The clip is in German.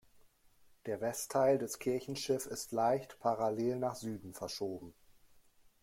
Der Westteil des Kirchenschiff ist leicht, parallel nach Süden verschoben.